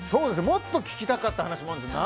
もっと聞きたかった話もあるんですよ。